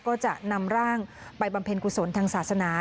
ก็จะนำร่างไปบำเพ็ญกุศลทางศาสนา